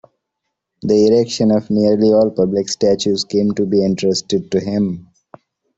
The erection of nearly all public statues came to be entrusted to him.